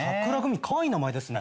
かわいいですね。